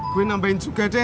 gue nambahin juga deh